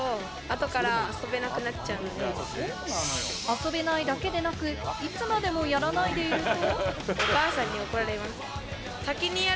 遊べないだけでなく、いつまでもやらないでいると。